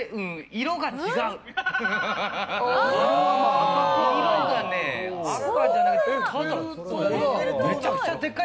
色がね、赤じゃない。